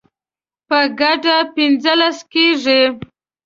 په ګډه پنځلس کیږي